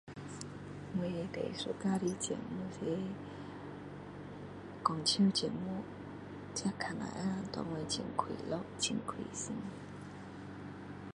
我最喜欢的节目是讲笑节目这看了能够给我很快乐很开心